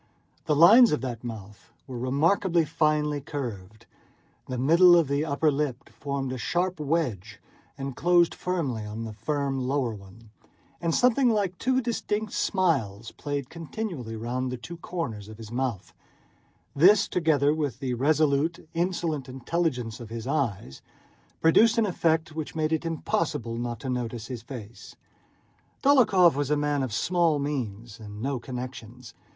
The lines of that mouth were remarkably finely curved. The middle of the upper lip formed a sharp wedge and closed firmly on the firm lower one, and something like two distinct smiles played continually round the two corners of the mouth; this, together with the resolute, insolent intelligence of his eyes, produced an effect which made it impossible not to notice his face. Dólokhov was a man of small means and no connections.